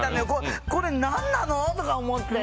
これ何なの？とか思って。